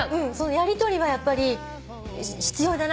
やりとりはやっぱり必要だな。